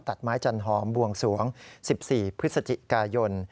ตัดไม้จันหอมบวงสวง๑๔พฤศจิกายน